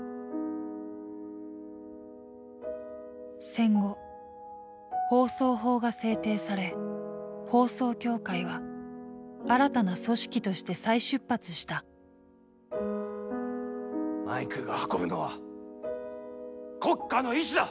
戦後放送法が制定され放送協会は新たな組織として再出発したマイクが運ぶのは国家の意思だ！